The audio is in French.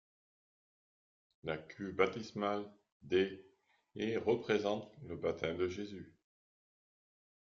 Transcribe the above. La cuve baptismale des et représente le baptême de Jésus.